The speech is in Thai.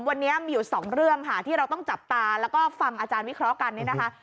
วันนี้มีอยู่สองเรื่องค่ะที่เราต้องจับตาแล้วก็ฟังอาจารย์วิเคราะห์กันเนี่ยนะคะ